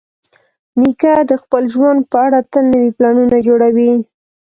نیکه د خپل ژوند په اړه تل نوي پلانونه جوړوي.